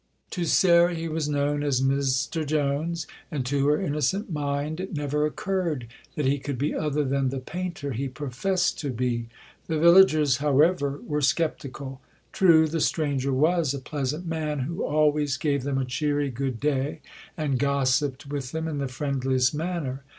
To Sarah he was known as "Mr Jones"; and to her innocent mind it never occurred that he could be other than the painter he professed to be. The villagers, however, were sceptical. True, the stranger was a pleasant man who always gave them a cheery "good day," and gossiped with them in the friendliest manner.